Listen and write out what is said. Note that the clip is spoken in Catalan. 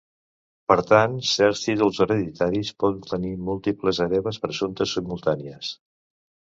Per tant, certs títols hereditaris poden tenir múltiples hereves presumptes simultànies.